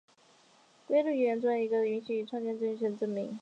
规约语言的一个重要应用是允许创建程序正确性的证明。